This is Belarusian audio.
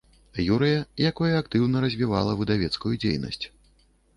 Юрыя, якое актыўна развівала выдавецкую дзейнасць.